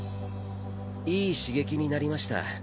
いい刺激になりました。